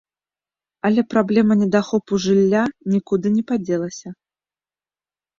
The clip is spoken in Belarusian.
Але праблема недахопу жылля нікуды не падзелася.